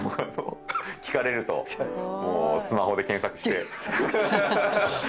聞かれるとスマホで検索して。